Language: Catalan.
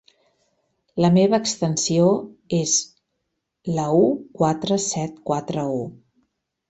La meva extensió és la u quatre set quatre u.